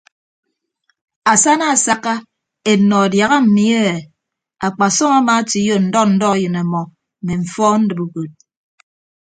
Asana asakka ennọ adiaha mmi e akpasọm amaatoiyo ndọ ndọ eyịn ọmọ mme mfọọn ndibe ukod.